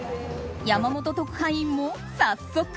山本特派員も早速。